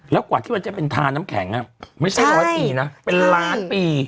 แล้วกว่าที่มันจะเป็นทาน้ำแข็งไม่ใช่ร้อยปีนะเป็นล้านปี